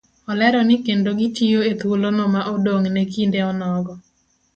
Olero ni kendo gitiyo ethuolono ma odong' ne kinde onogo